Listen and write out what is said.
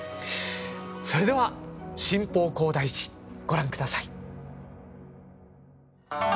それでは「新保広大寺」ご覧ください。